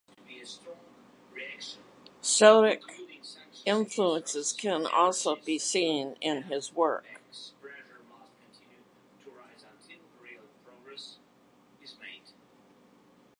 Stoic influences can also be seen in his work.